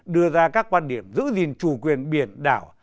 đưa ra các quan điểm giữ gìn chủ quyền biển đảo